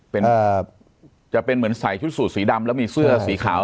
เป็นจะเป็นเหมือนใส่ชุดสูตรสีดำแล้วมีเสื้อสีขาว